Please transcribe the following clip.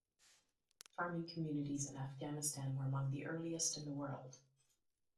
Farming communities in Afghanistan were among the earliest in the world.